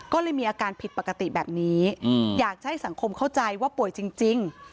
ก็เลยมีอาการผิดปกติแบบนี้อยากจะให้สังคมเข้าใจว่าป่วยจริง